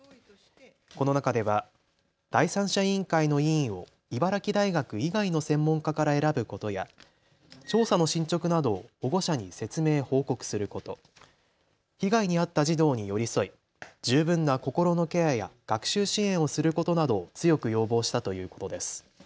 この中では第三者委員会の委員を茨城大学以外の専門家から選ぶことや調査の進捗などを保護者に説明、報告すること、被害に遭った児童に寄り添い十分な心のケアや学習支援をすることなどを強く要望したということです。